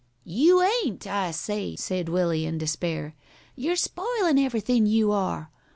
"You ain't, I say," said Willie, in despair. "You're spoilin' everything, you are.